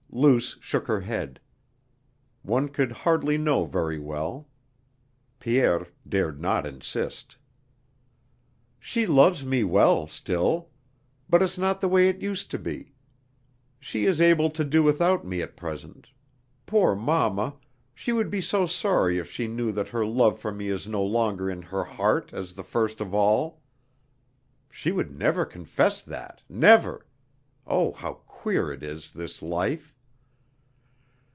Luce shook her head. One could hardly know very well.... Pierre dared not insist. "She loves me well, still. But it's not the way it used to be. She is able to do without me at present.... Poor mama! She would be so sorry if she knew that her love for me is no longer in her heart as the first of all! She would never confess that, never.... O, how queer it is, this life!"